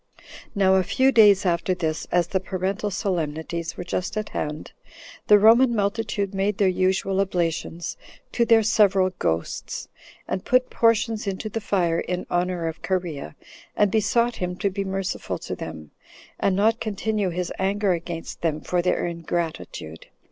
6. Now, a few days after this, as the Parental solemnities were just at hand, the Roman multitude made their usual oblations to their several ghosts, and put portions into the fire in honor of Cherea, and besought him to be merciful to them, and not continue his anger against them for their ingratitude.